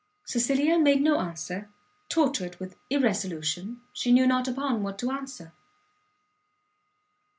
Cecilia made no answer; tortured with irresolution, she knew not upon what to determine.